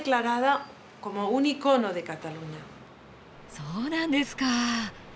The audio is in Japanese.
そうなんですか！